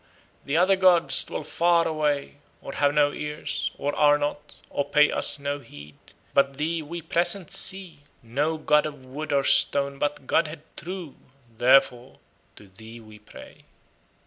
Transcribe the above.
The other gods dwell far away, Or have no ears, Or are not, or pay us no heed. But thee we present see, No god of wood or stone, but godhead true. Therefore to thee we pray."